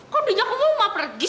kok di jakarta mau pergi sih